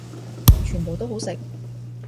全部都好食